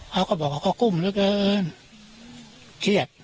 เขาก็บอกว่าเขากุ้มเหลือเกินเครียด